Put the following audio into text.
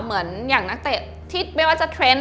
เหมือนอย่างนักเตะที่ไม่ว่าจะเทรนด์